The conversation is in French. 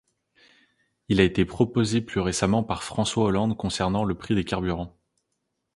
Il a été proposé plus récemment par François Hollande concernant le prix des carburants.